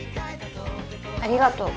ありがとう。